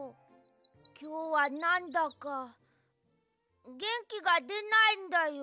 きょうはなんだかげんきがでないんだよ。